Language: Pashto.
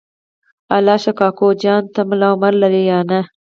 الله شا کوکو جان ته ملا عمر لرې یا نه؟